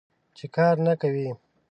چې کار نه کوې.